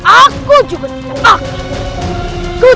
aku juga tidak akan